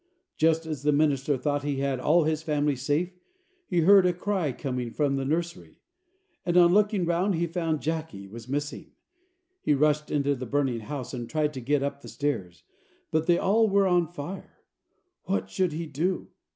Just as the minister thought he had all his family safe, he heard a cry coming from the nursery, and on looking round, he found Jacky was missing. He rushed into the burning house, and tried to get up the stairs, but they were all on fire. What should he do?